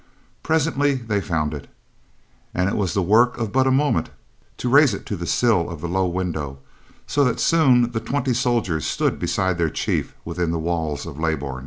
Presently they found it, and it was the work of but a moment to raise it to the sill of the low window, so that soon the twenty stood beside their chief within the walls of Leybourn.